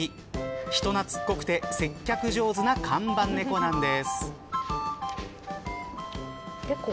人懐っこくて接客上手な看板猫なんです。